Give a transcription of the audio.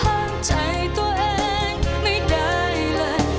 ห้ามใจตัวเองไม่ได้เลย